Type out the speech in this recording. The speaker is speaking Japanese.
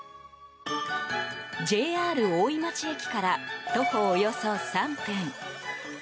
ＪＲ大井町駅から徒歩およそ３分。